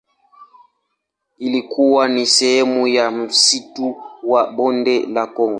Ilikuwa ni sehemu ya msitu wa Bonde la Kongo.